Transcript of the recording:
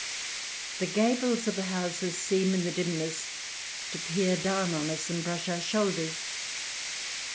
The gables of the houses seem, in the dimness, to peer down on us and brush our shoulders.